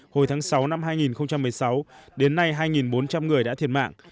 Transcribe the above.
hồi tháng sáu năm hai nghìn một mươi sáu đến nay hai bốn trăm linh người đã thiệt mạng